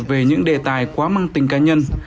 về những đề tài quá măng tình cá nhân